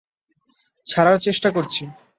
ছাড়ার চেষ্টা করছি।